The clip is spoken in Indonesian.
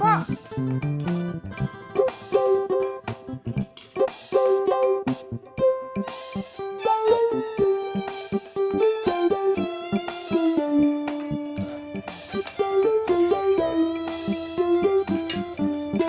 bukan saya juga